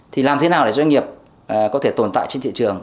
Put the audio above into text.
thì làm thế nào để doanh nghiệp có thể tồn tại trên thị trường